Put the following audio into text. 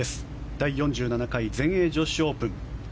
第４７回全英女子オープン。